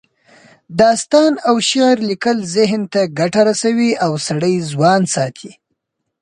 داستان او شعر لیکل ذهن ته ګټه رسوي او سړی ځوان ساتي